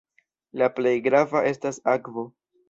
La plej grava estas akvo.